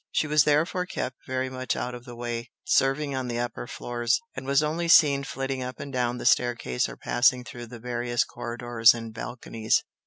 She was therefore kept very much out of the way, serving on the upper floors, and was only seen flitting up and down the staircase or passing through the various corridors and balconies.